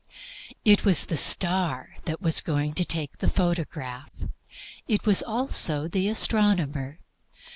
It was the star that was going to take the photograph; it was, also, the astronomer.